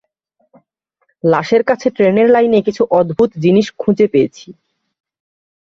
লাশের কাছে ট্রেনের লাইনে কিছু অদ্ভুত জিনিস খুঁজে পেয়েছি।